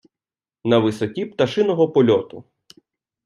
На висоті пташиного польоту